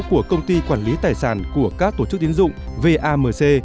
của công ty quản lý tài sản của các tổ chức tiến dụng vamc